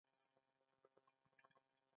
یو څه خو به یې له ځانه سره پرېښودل هم.